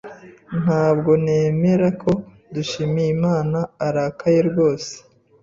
Ntabwo nemera ko Dushyimiyimana arakaye rwose.